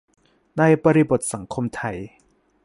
ในบริบทสังคมไทย